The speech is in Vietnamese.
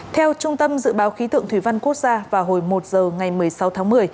theo trung tâm dự báo khí tượng thủy văn quốc gia vào hồi một giờ ngày một mươi sáu tháng một mươi